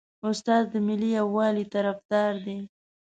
استاد د ملي یووالي طرفدار دی.